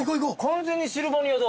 完全にシルバニアだ。